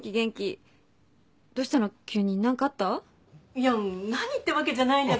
いや何ってわけじゃないんだけどね